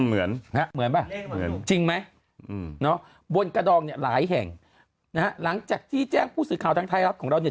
เหมือนจริงไหมบนกระดองเนี่ยหลายแห่งหลังจากที่แจ้งผู้สื่อข่าวทางไทยรับของเรา